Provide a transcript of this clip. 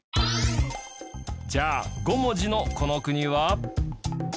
じゃあ５文字のこの国は？